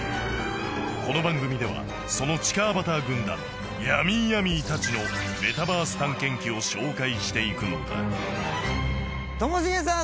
この番組ではその地下アバター軍団ヤミーヤミーたちのメタバース探検記を紹介していくのだともしげさん